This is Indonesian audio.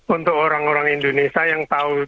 untuk orang orang indonesia yang tahu